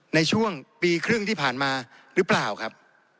ในช่วงปีครึ่งที่ผ่านมาหรือเปล่าครับ